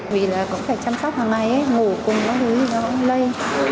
vì là cũng phải chăm sóc hằng ngày ngủ cùng với đứa đứa lấy